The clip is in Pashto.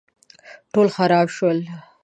ټول خراب شول